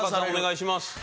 お願いします。